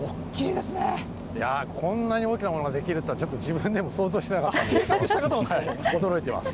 いや、こんなに大きなものができるとはちょっと自分でも想像してなかったんで、驚いてます。